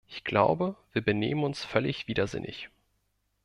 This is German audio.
Ich glaube, wir benehmen uns völlig widersinnig.